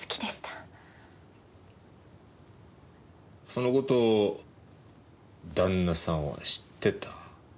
その事を旦那さんは知ってた。